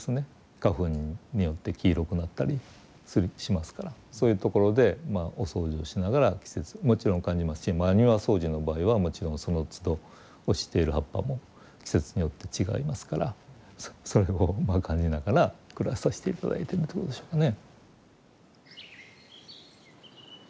花粉によって黄色くなったりしますからそういうところでお掃除をしながら季節をもちろん感じますし庭掃除の場合はもちろんそのつど落ちている葉っぱも季節によって違いますからそれを感じながら暮らさせて頂いてるということでしょうかね。